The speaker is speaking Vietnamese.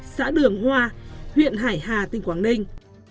xã đường hoa huyện hải hà tỉnh quảng ninh